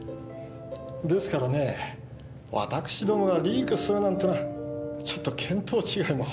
ですからね私どもがリークするなんてのはちょっと見当違いも甚だしい。